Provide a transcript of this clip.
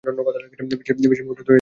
বিশেষ বিশেষ মৌসুমে এদের কাজের সুযোগ ঘটে।